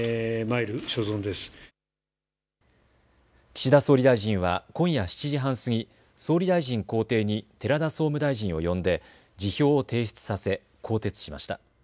岸田総理大臣は今夜７時半過ぎ、総理大臣公邸に寺田総務大臣を呼んで辞表を提出させ更迭しました。